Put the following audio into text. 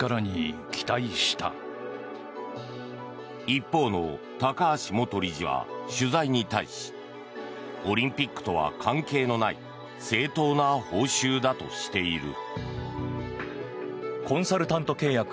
一方の高橋元理事は取材に対しオリンピックとは関係のない正当な報酬だとしている。